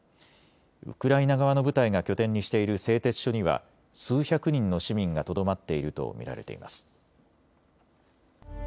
ウクライナ側の部隊が拠点にしている製鉄所には数百人の市民がとどまっていると見られています。